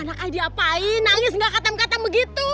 anak saya diapain nangis gak katem katem begitu